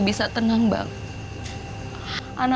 kita di fielding jiara saja